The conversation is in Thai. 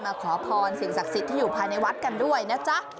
ขอพรสิ่งศักดิ์สิทธิ์ที่อยู่ภายในวัดกันด้วยนะจ๊ะ